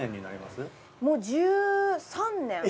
もう１３年。